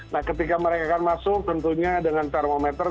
nah ketika mereka akan masuk tentunya dengan termometer